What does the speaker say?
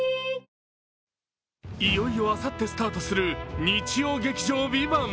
いよいよあさってスタートする日曜劇場「ＶＩＶＡＮＴ」。